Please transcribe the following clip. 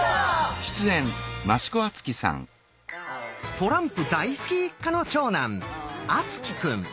トランプ大好き一家の長男敦貴くん。